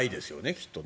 きっとね。